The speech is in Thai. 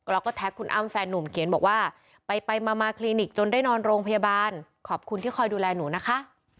แล้วก็แท็กคุณอ้ำแฟนนุ่มเขียนบอกว่าไปมาคลินิกจนได้นอนโรงพยาบาลขอบคุณที่คอยดูแลหนูนะคะ